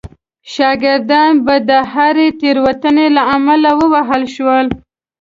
شاګردان به د هرې تېروتنې له امله ووهل شول.